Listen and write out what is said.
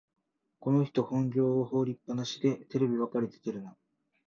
この人、本業を放りっぱなしでテレビばかり出てるな